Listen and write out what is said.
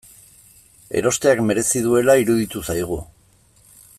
Erosteak merezi duela iruditu zaigu.